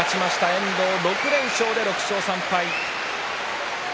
遠藤６連勝で６勝３敗。